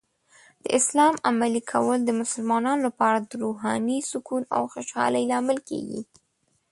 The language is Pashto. د اسلام عملي کول د مسلمانانو لپاره د روحاني سکون او خوشحالۍ لامل کیږي.